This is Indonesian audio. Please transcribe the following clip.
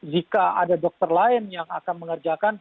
jika ada dokter lain yang akan mengerjakan